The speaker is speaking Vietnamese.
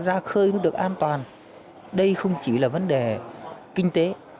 đây không chỉ là vấn đề an toàn đây không chỉ là vấn đề kinh tế